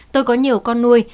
tôi có nhiều con nuôi